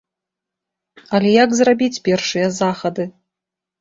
Але як зрабіць першыя захады?